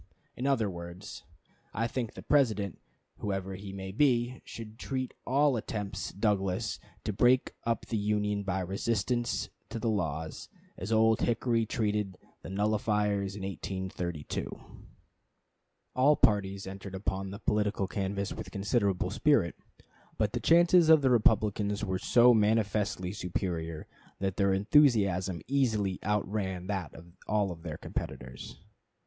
In other words, I think the President, whoever he may be, should treat all attempts Douglas, to break up the Union by resistance to the laws, as Old Hickory treated the nullifiers in 1832." Douglas, Norfolk Speech, August 25, 1860. All parties entered upon the political canvass with considerable spirit; but the chances of the Republicans were so manifestly superior that their enthusiasm easily outran that of all their competitors.